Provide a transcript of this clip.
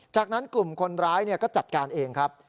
จากนั้นกลุ่มคนร้ายก็จัดการเองครับ